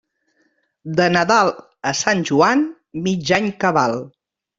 De Nadal a Sant Joan, mig any cabal.